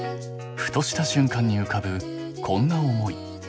ふとした瞬間に浮かぶこんな思い。